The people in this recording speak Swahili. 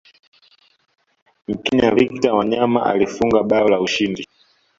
mkenya victor wanyama alifunga bao la ushindi